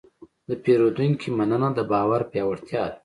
د پیرودونکي مننه د باور پیاوړتیا ده.